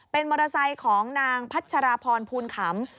เป็นมอเตอร์ไซค์ของนางพัชราพรภูนขำ